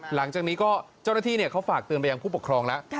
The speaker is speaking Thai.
หลังจากนี้ก็เจ้าหน้าที่เขาฝากเตือนไปยังผู้ปกครองแล้ว